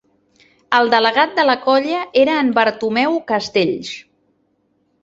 El delegat de la colla era en Bartomeu Castells.